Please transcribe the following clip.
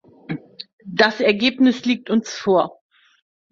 Das Ergebnis liegt uns vor.